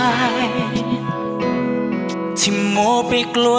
เรื่องของข้าว